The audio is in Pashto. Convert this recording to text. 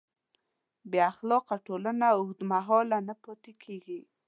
بېاخلاقه ټولنه اوږدمهاله نه پاتې کېږي.